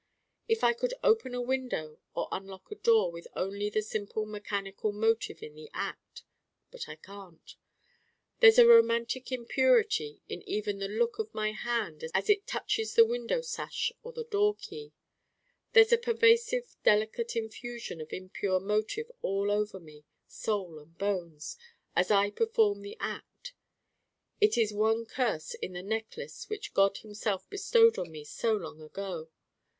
If I could open a window or unlock a door with only the simple mechanical motive in the act But I can't. There's a romantic impurity in even the look of my hand as it touches the window sash or the door key. There's a pervasive delicate infusion of impure motive all over me, Soul and bones, as I perform the act. It is one curse in the Necklace which God himself bestowed on me so long ago.